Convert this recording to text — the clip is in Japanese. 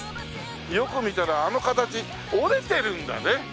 よく見たらあの形折れてるんだね。